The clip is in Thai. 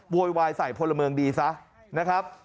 โวยวายใส่พลเมืองดีซะนะครับ